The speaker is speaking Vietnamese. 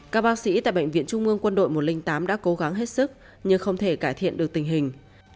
các bác sĩ tại bệnh viện trung mương quân đội một trăm linh tám đã cố gắng hết sức nhưng không thể cải thiện được tình hình